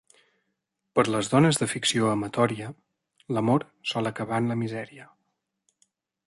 Per a les dones de ficció amatòria, l'amor sol acabar en la misèria.